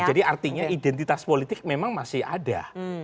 jadi artinya identitas politik memang masih ada